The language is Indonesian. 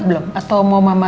tidak ada apa apa